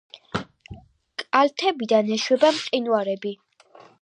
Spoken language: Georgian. კალთებიდან ეშვება მყინვარები.